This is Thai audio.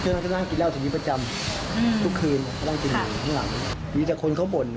นั่นปกติพวกมันมาบ่อยมั้ย